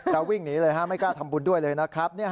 วิ่งหนีเลยฮะไม่กล้าทำบุญด้วยเลยนะครับ